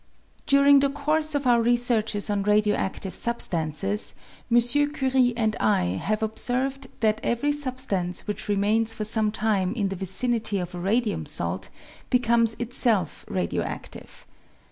During the course of our researches on radio adive sub stances M. Curie and I ha^e observed that every sub stance which remains for some time in the vicinity of a radium salt becomes itself radio adive.